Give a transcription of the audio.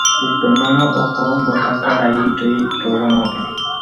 Upémarõ oho ha ombota karai rey róga rokẽ.